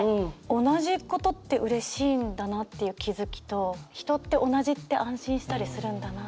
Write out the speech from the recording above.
同じことってうれしいんだなっていう気付きと人って同じって安心したりするんだなっていう。